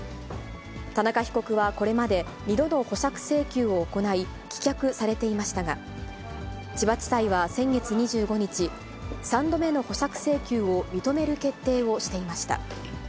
田中被告はこれまで、２度の保釈請求を行い、棄却されていましたが、千葉地裁は先月２５日、３度目の保釈請求を認める決定をしていました。